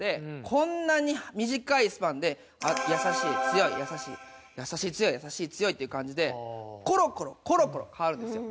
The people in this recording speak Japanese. こんなに短いスパンで優しい強い優しい優しい強い優しい強いっていう感じでコロコロコロコロ変わるんですよ。